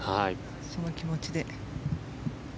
その気持ちで。